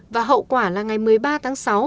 và hậu quả là ngày một mươi ba tháng sáu